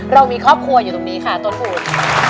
เรามีครอบครัวอยู่ตรงนี้ค่ะต้นกูด